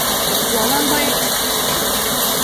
ځوانان باید تشویق شي.